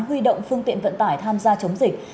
huy động phương tiện vận tải tham gia chống dịch